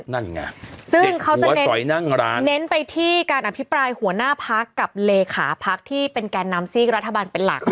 นั่นไงเด็ดหัวสอยนั่งร้านซึ่งเขาจะเน้นไปที่การอภิปรายหัวหน้าพักกับเลขาพักที่เป็นแกรนนำสิทธิ์รัฐบาลเป็นหลักแน่นอน